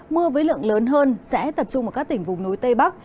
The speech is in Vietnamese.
mưa với lượng lớn hơn sẽ tập trung ở các tỉnh vùng núi tây bắc